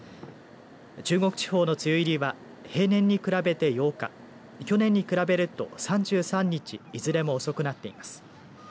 中国地方の梅雨入りは平年に比べて８日去年に比べると３３日いずれも遅くなっています。